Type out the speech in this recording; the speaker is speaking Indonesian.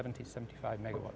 jadi itu akan membuat